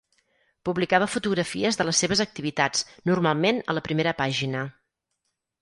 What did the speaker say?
Publicava fotografies de les seves activitats, normalment a la primera pàgina.